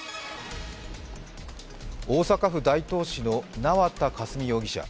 大阪府大東市の縄田佳純容疑者。